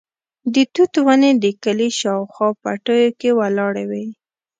د توت ونې د کلي شاوخوا پټیو کې ولاړې وې.